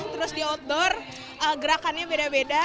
terus di outdoor gerakannya beda beda